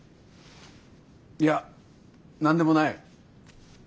いや何でもない。